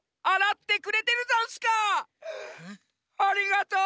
ありがとう！